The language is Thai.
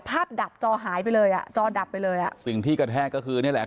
ดับจอหายไปเลยอ่ะจอดับไปเลยอ่ะสิ่งที่กระแทกก็คือนี่แหละ